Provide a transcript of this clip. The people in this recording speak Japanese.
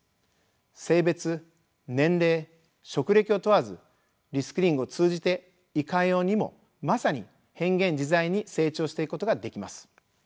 性別・年齢・職歴を問わずリスキリングを通じていかようにもまさに変幻自在に成長していくことができます。